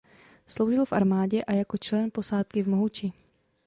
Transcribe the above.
Sloužil v armádě a jako člen posádky v Mohuči.